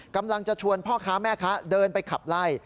กำลังจะชวนพ่อค้าแม่ค้าเดินไปขับไล่